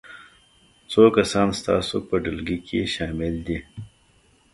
څو کسان ستاسو په ډلګي کې شامل دي؟